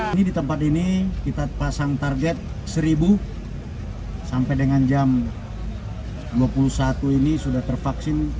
ini di tempat ini kita pasang target seribu sampai dengan jam dua puluh satu ini sudah tervaksin